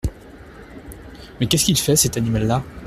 Mais qu’est-ce qu’il fait, cet animal-là ?